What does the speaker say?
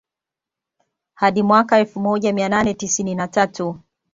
Hadi mwaka wa elfu moja mia nane tisini na tatu